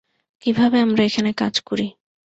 কীভাবে আমরা এখানে কাজ করি।